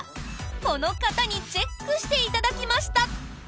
この方にチェックしていただきました！